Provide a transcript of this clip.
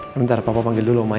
ya bentar papa panggil dulu omak ya